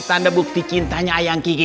tanda bukti cintanya ayang kiki